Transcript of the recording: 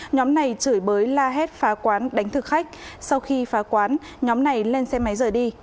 nhóm này chửi bới la hét phá quán đánh thực khách sau khi phá quán nhóm này lên xe máy rời đi